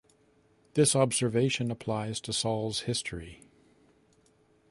This observation applies to Saul's history.